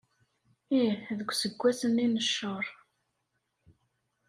Ih, deg useggas-nni n cceṛ.